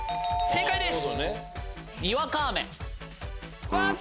正解です。